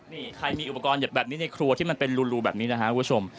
นี่ใครมีอุปกรณ์แบบนี้ในครัวที่มันเป็นรูแบบนี้นะครับคุณผู้ชม